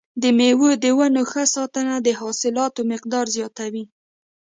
د مېوو د ونو ښه ساتنه د حاصلاتو مقدار زیاتوي.